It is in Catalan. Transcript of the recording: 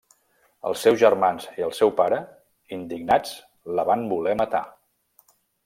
Els seus germans i el seu pare, indignats, la van voler matar.